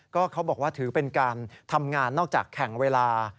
ก็เขาบอกว่าถือเป็นการทำงานนอกจากแข่งเวลา